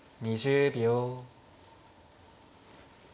２０秒。